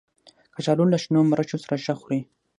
کچالو له شنو مرچو سره ښه خوري